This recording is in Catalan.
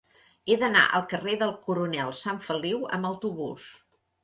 He d'anar al carrer del Coronel Sanfeliu amb autobús.